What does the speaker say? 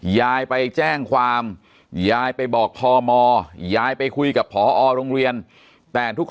ยายไปแจ้งความยายไปบอกพมยายไปคุยกับพอโรงเรียนแต่ทุก